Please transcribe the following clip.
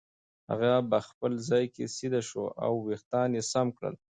هغه په خپل ځای کې سیده شو او وېښتان یې سم کړل.